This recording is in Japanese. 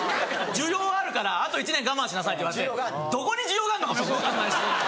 「需要があるからあと１年我慢しなさい」って言われてどこに需要があんのかもよく分かんない。